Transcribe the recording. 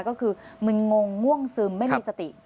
มึนงงง่วงซึมไม่มีสติ